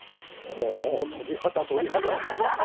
お鳥肌鳥肌。